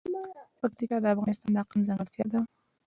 پکتیکا د افغانستان د اقلیم ځانګړتیا ده.